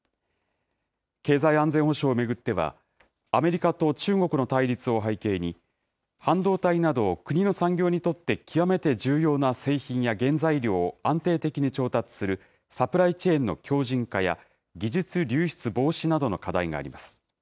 経済安全保障を巡っては、アメリカと中国の対立を背景に、半導体など国の産業にとって極めて重要な製品や原材料を安定的に調達する、サプライチェーンの強じん化や、技術流出防止などの課題があります。